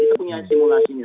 kita punya simulasinya